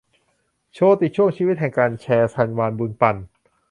โชติช่วงชีวิตแห่งการแชร์ : ชัชวาล บุญปัน